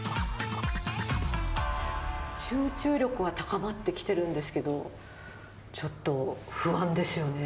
集中力は高まってきてるんですけど、ちょっと不安ですよね。